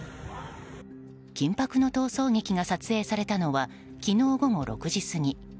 緊迫の逃走劇が撮影されたのは昨日午後６時過ぎ。